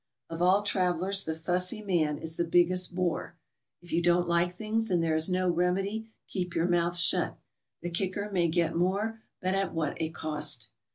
Of all travelers the fussy 232 GOING ABROAD? mail is the biggest bore. If you don't like things and there is no remedy, keep your mout'h shut. The kicker may get more, but at what a cost!